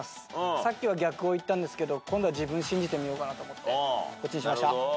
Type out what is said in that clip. さっきは逆をいったんですけど今度は自分信じてみようかなと思ってこっちにしました。